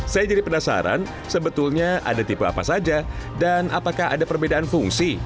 saya jadi penasaran sebetulnya ada tipe apa saja dan apakah ada perbedaan fungsi